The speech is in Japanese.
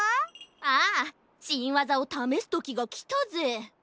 ああしんわざをためすときがきたぜ！